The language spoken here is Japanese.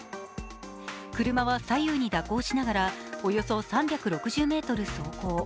車は左右に蛇行しながらおよそ３６０ｍ走行。